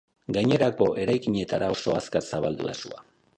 Gainerako eraikinetara oso azkar zabaldu da sua.